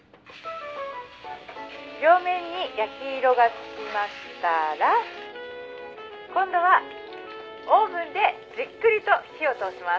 「両面に焼き色がつきましたら今度はオーブンでじっくりと火を通します」